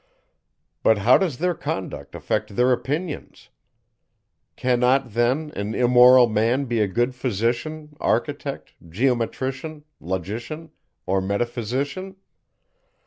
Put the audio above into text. But how does their conduct affect their opinions? Cannot then an immoral man be a good physician, architect, geometrician, logician, or metaphysician?